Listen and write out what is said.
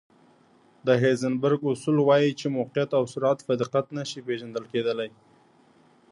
د هایزنبرګ اصول وایي چې موقعیت او سرعت په دقت نه شي پېژندل کېدلی.